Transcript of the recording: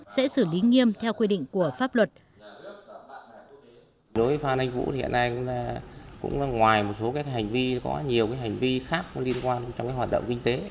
sẽ xử lý nghiêm theo quy định của pháp luật